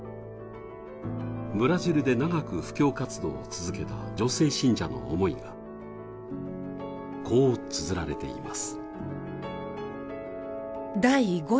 ブラジルで長く続く布教活動を続けた女性信者の思いが、こうつづられています。